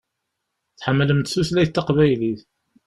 Tḥemmlemt tutlayt taqbaylit.